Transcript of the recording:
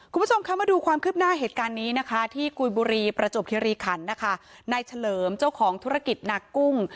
คุณผู้ชมคะมาดูความคืบหน้าเหตุการณ์นี้นะคะที่กุยบุรีประจวบคิริขันนะคะนายเฉลิมเจ้าของธุรกิจหนักกุ้ง